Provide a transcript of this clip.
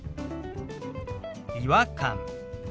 「違和感」。